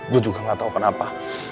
gue juga gak tahu kenapa